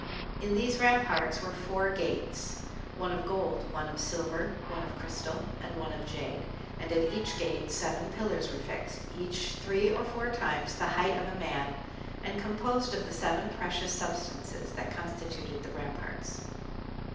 In these ramparts were four gates—one of gold, one of silver, one of crystal and one of jade—and at each gate seven pillars were fixed, each three or four times the height of a man and composed of the seven precious substances that constituted the ramparts.